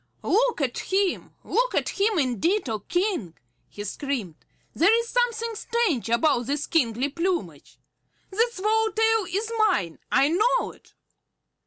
"Look at him, look at him indeed, O King!" he screamed. "There is something strange about his kingly plumage. That swallow tail is mine, I know it!"